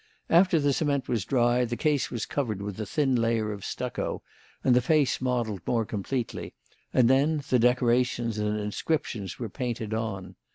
After the cement was dry the case was covered with a thin layer of stucco and the face modelled more completely, and then the decorations and inscriptions were painted on.